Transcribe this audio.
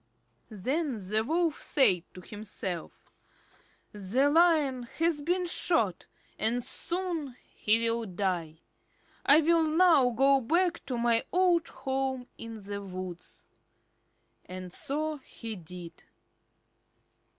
Then the Wolf said to himself: "The Lion has been shot, and soon he will die. I will now go back to my old home in the woods." And so he did.